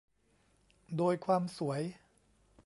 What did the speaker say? โดยความสวย